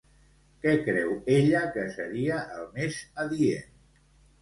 Què creu ella que seria el més adient?